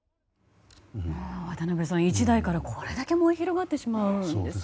渡辺さん、１台からこれだけ燃え広がってしまうんですね。